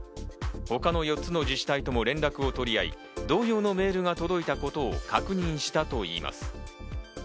他の４つの自治体とも連絡を取り合い、同様のメールが届いたことを確認したといいます。